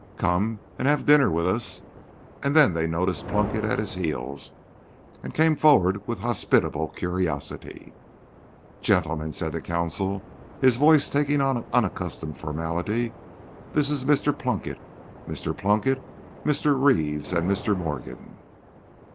"Come and have dinner with us!" And then they noticed Plunkett at his heels, and came forward with hospitable curiosity. "Gentlemen," said the consul, his voice taking on unaccustomed formality, "this is Mr. Plunkett. Mr. Plunkett—Mr. Reeves and Mr. Morgan."